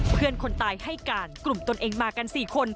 เพื่อนคนตายให้การกลุ่มตนเองมากัน๔คน